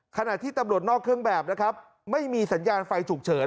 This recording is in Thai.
ขณะที่ตำรวจนอกเครื่องแบบนะครับไม่มีสัญญาณไฟฉุกเฉิน